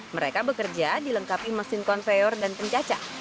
mereka bekerja dilengkapi mesin konveyor dan pencaca